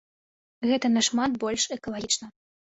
Гэта нашмат больш экалагічна.